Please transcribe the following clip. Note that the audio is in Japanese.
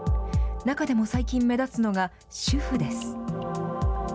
中でも最近、目立つのが主婦です。